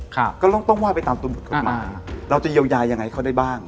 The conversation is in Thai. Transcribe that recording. ครับก็ต้องว่าไปตามตรวจมาอ่าเราจะเยียวยายังไงเขาได้บ้าง